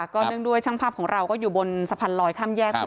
ก็นึกด้วยทั้งภาพของเราก็อยู่บนสะพันลอยค่ำแยกพอดี